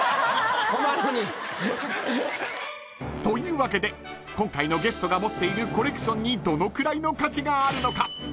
［というわけで今回のゲストが持っているコレクションにどのくらいの価値があるのか？］